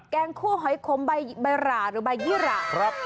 แกงคั่วหอยขมใบหร่หรือใบยี่หร่ะ